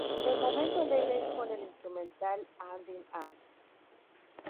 El momento alegre es con el instrumental Hand in Hand.